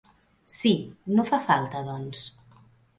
Sí, no fa falta doncs.